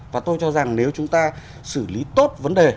và tôi cho rằng nếu chúng ta xử lý tốt vấn đề